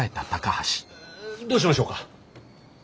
どうしましょうか？